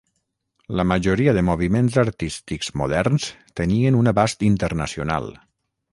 La majoria de moviments artístics moderns tenien un abast internacional.